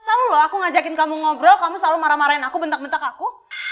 selalu loh aku ngajakin kamu ngobrol kamu selalu marah marahin aku bentak bentak aku